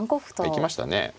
行きましたね。